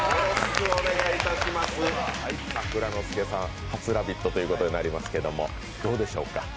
蔵之介さん、初「ラヴィット！」ということになりますけど、どうでしょうか。